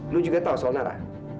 lu juga tahu soal nara